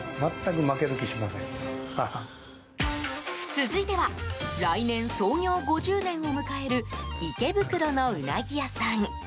続いては来年、創業５０年を迎える池袋のうなぎ屋さん。